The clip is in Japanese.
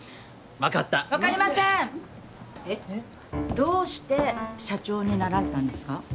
どうして社長になられたんですか？